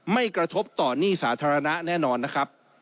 ไม่กระทบต่อหนี้สาธารณะแน่นอนนะครับ